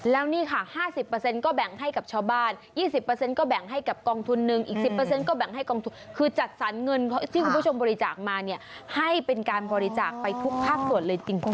แล้วนี่ค่ะ๕๐เปอร์เซ็นต์ก็แบ่งให้กับชาวบ้าน๒๐เปอร์เซ็นต์ก็แบ่งให้กับกองทุนนึงอีก๑๐เปอร์เซ็นต์ก็แบ่งให้กองทุนคือจัดสรรเงินที่คุณผู้ชมบริจาคมาเนี่ยให้เป็นการบริจาคไปทุกภาพส่วนเลยจริง